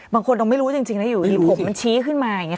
บางคนเราไม่รู้จริงนะอยู่ดีผมมันชี้ขึ้นมาอย่างนี้